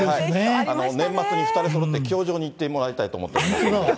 年末に２人そろって教場に行ってもらいたいと思います。